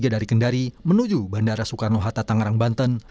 dari kendari menuju bandara soekarno hatta tangerang banten